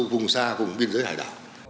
phối hợp chặt chẽ với tổ chức